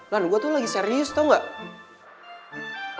lan gua tuh lagi serius tau gak